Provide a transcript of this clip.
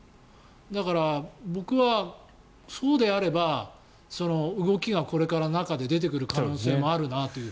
だから、僕はそうであれば動きがこれから中で出てくる可能性もあるなと。